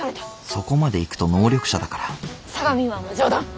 そこまでいくと能力者だから相模湾は冗談。